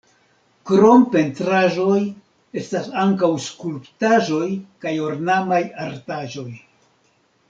Krom pentraĵoj estas ankaŭ skulptaĵoj kaj ornamaj artaĵoj.